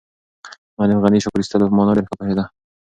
معلم غني د شکر ایستلو په مانا ډېر ښه پوهېده.